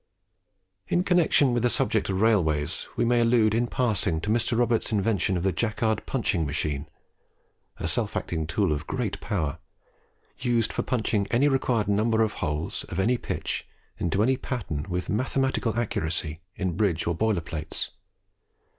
In connection with the subject of railways, we may allude in passing to Mr. Roberts's invention of the Jacquard punching machine a self acting tool of great power, used for punching any required number of holes, of any pitch and to any pattern, with mathematical accuracy, in bridge or boiler plates.